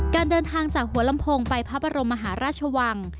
การเดินทางจากหัวลำโพงไปพระบรมมหาราชวัง